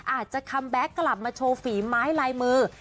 คัมแบ็คกลับมาโชว์ฝีไม้ลายมือ